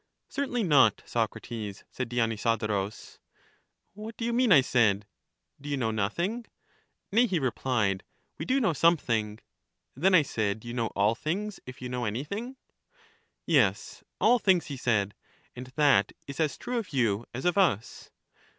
Certainly not, Socrates, said Dionysodorus. What do you mean, I said; do you know nothing? Nay, he repKed, we do know something. Then, I said, you know all things, if you know anything? 254 EUTHYDEMUS Yes, all things, he said ; and that is as true of you as of us.